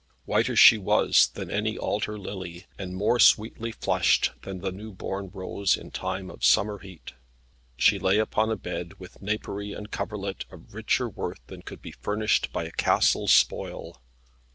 Whiter she was than any altar lily, and more sweetly flushed than the new born rose in time of summer heat. She lay upon a bed with napery and coverlet of richer worth than could be furnished by a castle's spoil.